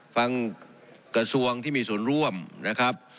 ฟังเกษลวงมีส่วนร่วมนะครับ